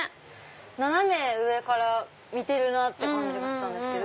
斜め上から見てるなって感じがしたんですけど。